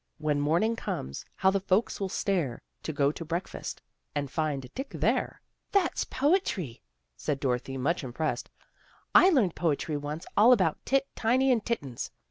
When morning comes, how the folks will stare, To go to breakfast and find Dick there." " That's poetry," said Dorothy much im pressed. " I learned poetry once, all about Tit, Tiny and Tittens.